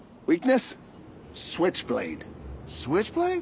おい！